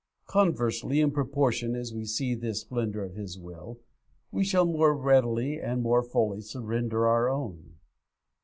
Conversely, in proportion as we see this splendour of His will, we shall more readily or more fully surrender our own.